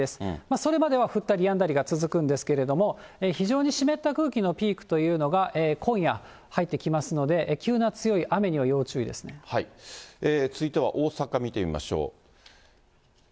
それまでは降ったりやんだりが続くんですけれども、非常に湿った空気のピークというのが今夜入ってきますので、急な続いては大阪見てみましょう。